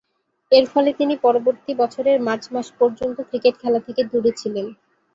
এরফলে তিনি পরবর্তী বছরের মার্চ মাস পর্যন্ত ক্রিকেট খেলা থেকে দূরে ছিলেন।